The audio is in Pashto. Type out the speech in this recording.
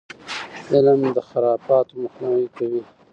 علم د خرافاتو مخنیوی کوي.